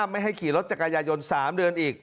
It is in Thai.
ไม่ให้ขี่รถจักรยายน๓เดือนอีก